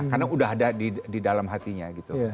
karena sudah ada di dalam hatinya